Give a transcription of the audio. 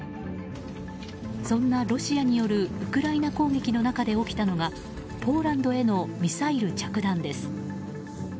そんな、ロシアによるウクライナ攻撃の中で起きたのがポーランドへのミサイル着弾です。